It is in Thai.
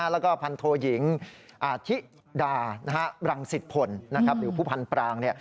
แล้วก็พันโทยิงอาธิดารังสิตพลหรือผู้พันปราง